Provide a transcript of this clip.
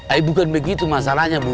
eh bukan begitu masalahnya bu